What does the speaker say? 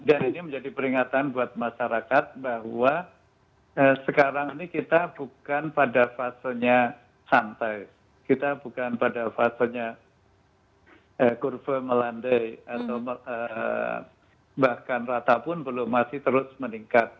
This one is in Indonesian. dan ini menjadi peringatan buat masyarakat bahwa sekarang ini kita bukan pada fasenya santai kita bukan pada fasenya kurve melandai bahkan rata pun belum masih terus meningkat